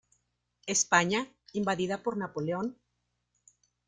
España, invadida por Napoleón.